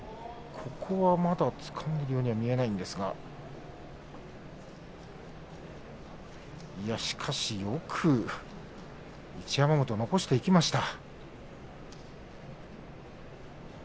まだ、まげをつかんでいるようには、見えないんですがしかし、よく一山本残していきました。